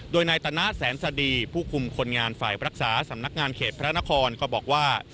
โดยนายตนะแสนสดีผู้คุมคนงานฝ่ายรักษาสำนักงานเขตพระนครก็บอกว่า